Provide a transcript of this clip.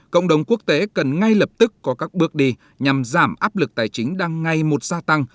cộng đồng quốc tế cần ngay lập tức có các bước đi nhằm giảm áp lực tài chính đang ngay một gia tăng